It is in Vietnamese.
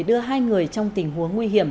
đưa hai người trong tình huống nguy hiểm